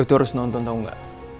lo tuh harus nonton tau ga